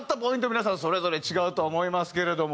皆さんそれぞれ違うとは思いますけれども。